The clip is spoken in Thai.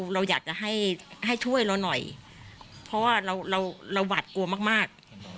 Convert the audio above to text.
เราอยากจะให้ช่วยเราหน่อยเพราะว่าเราหวาดกลัวมาก